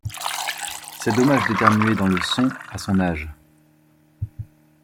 C’est dommage d’éternuer dans le son à son âge...